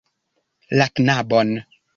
La knabon.